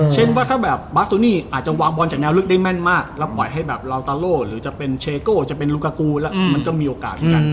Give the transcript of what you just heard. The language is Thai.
ว่าถ้าแบบบาสโตนี่อาจจะวางบอลจากแนวลึกได้แม่นมากแล้วปล่อยให้แบบลาวตาโล่หรือจะเป็นเชโก้จะเป็นลูกากูแล้วมันก็มีโอกาสเหมือนกัน